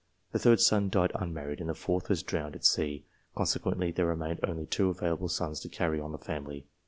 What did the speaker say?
The third son died unmarried, and the fourth was drowned at sea, consequently there remained only two available sons to carry on the family.